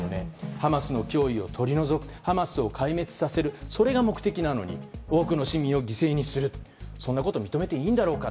ハマスの脅威を取り除くハマスを壊滅させるそれが目的なのに多くの市民を犠牲にするそんなこと認めていいんだろうか。